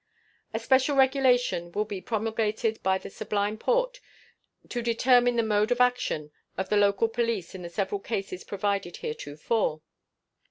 A special regulation will be promulgated by the Sublime Porte to determine the mode of action of the local police in the several cases provided heretofore.